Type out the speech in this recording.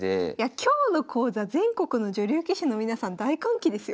今日の講座全国の女流棋士の皆さん大歓喜ですよ。